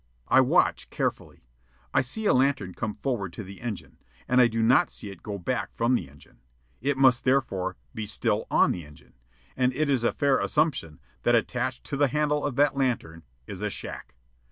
I watch carefully. I see a lantern come forward to the engine, and I do not see it go back from the engine. It must therefore be still on the engine, and it is a fair assumption that attached to the handle of that lantern is a shack.